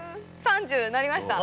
３０になりました。